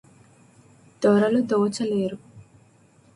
దొరలు దోచలేరు